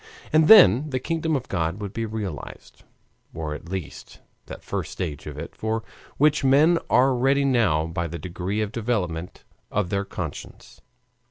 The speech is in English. And then the kingdom of God would be realized, or at least that first stage of it for which men are ready now by the degree of development of their conscience.